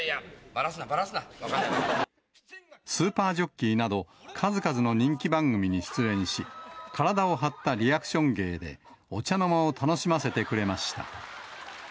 ばらすな、スーパージョッキーなど、数々の人気番組に出演し、体を張ったリアクション芸で、お茶の間を楽しませてくれました。